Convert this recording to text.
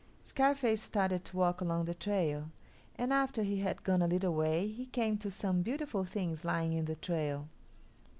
Scarface started to walk along the trail, and after he had gone a little way he came to some beautiful things lying in the trail.